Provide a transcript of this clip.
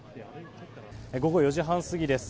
午後４時半過ぎです。